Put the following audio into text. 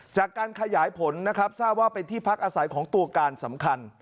จากการขยายผลนะครับทราบว่าเป็นที่พักอาศัยของตัวการสำคัญ